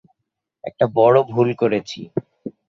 একটা বড় ভুল করেছি।